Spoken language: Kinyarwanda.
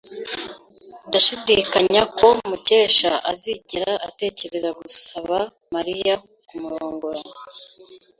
Ndashidikanya ko Mukesha azigera atekereza gusaba Mariya kumurongora.